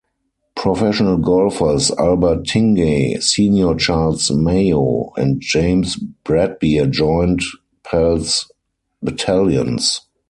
Professional golfers Albert Tingey, Senior Charles Mayo, and James Bradbeer joined Pals battalions.